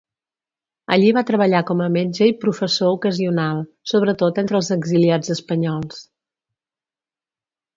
Allí va treballar com a metge i professor ocasional, sobretot entre els exiliats espanyols.